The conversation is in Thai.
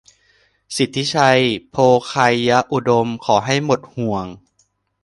สิทธิชัย โภไคยอุดม : ขอให้หมดห่วง